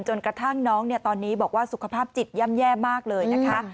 จนกระทั่งน้องตอนนี้บอกว่าสุขภาพจิตย่ำแย่มากเลยนะคะ